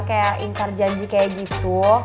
kayak ingkar janji kayak gitu